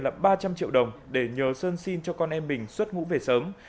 là ba trăm linh triệu đồng để nhờ sơn xin cho con em mình xuất ngũ về sớm